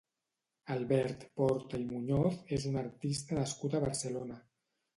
Albert Porta i Muñoz és un artista nascut a Barcelona.